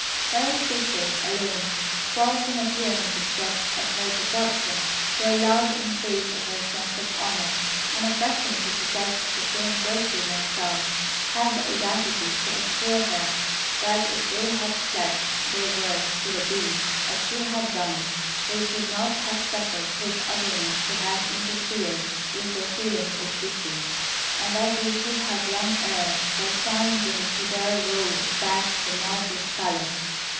Her sisters alone, far from appearing distressed at her departure, were loud in praise of her sense of honour; and affecting to possess the same virtue themselves, had the audacity to assure her that if they had pledged their words to the Beast as she had done, they should not have suffered his ugliness to have interfered with their feelings of duty, and that they should have long ere that time been on their road back to the marvellous palace.